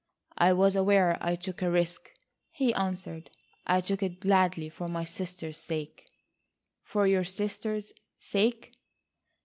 "I was aware I took a risk," he answered; "I took it gladly for my sister's sake." "For your sister's sake?"